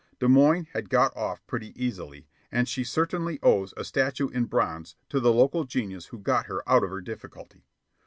Des Moines had got off pretty easily, and she certainly owes a statue in bronze to the local genius who got her out of her difficulty.